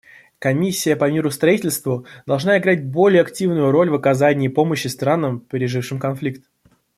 Комиссия по миростроительству должна играть более активную роль в оказании помощи странам, пережившим конфликт.